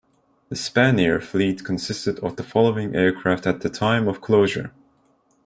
The Spanair fleet consisted of the following aircraft at the time of closure.